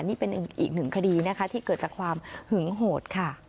นี่เป็นอีกหนึ่งคดีนะคะที่เกิดจากความหึงโหดค่ะ